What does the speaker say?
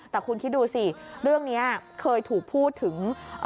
แต่คุณคิดดูสิเรื่องนี้เคยถูกพูดถึง